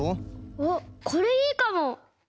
あっこれいいかも！